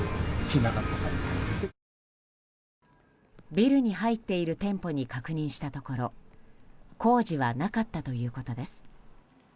ビルに入っている店舗に確認したところ工事はなかったということです。